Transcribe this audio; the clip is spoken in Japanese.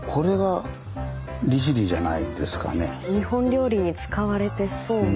日本料理に使われてそうな。